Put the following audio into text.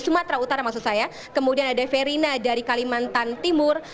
jawa barat dan juga dari jawa barat dan juga dari jawa barat kemudian ada verina dari kalimantan timur